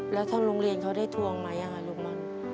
แล้วท่านโรงเรียนเขาได้ทวงมาอย่างไรลูกม่อน